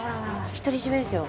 独り占めですよ。